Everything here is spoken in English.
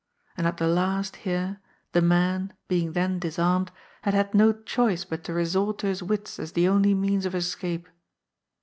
And at the last here, the man, being then disarmed, had had no choice but to resort to his wits as the only means of escape.